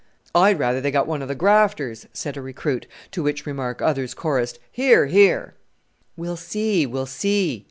"I'd rather they got one of the grafters!" said a recruit, to which remark others chorused, "Hear! hear!" "We'll see we'll see!